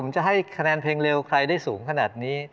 ผมจะให้คะแนนเพลงเร็วใครได้สูงขนาดนี้